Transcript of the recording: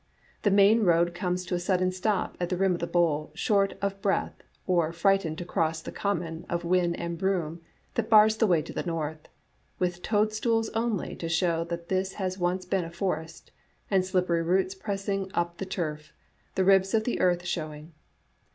The main road comes to a sudden stop at the rim of the bowl short of breath, or frightened to cross the common of whin and broom that bars the way to the north, with toadstools only to show that this has once been a forest, and slippery roots pressing up the turf, the ribs of the earth showing.